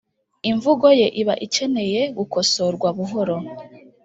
imvugo ye iba ikeneye gukosorwa buhoro